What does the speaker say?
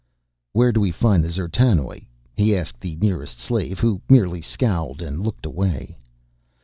"Where do we find the D'zertanoj?" he asked the nearest slave who merely scowled and looked away.